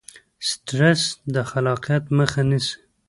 سټرس د خلاقیت مخه نیسي.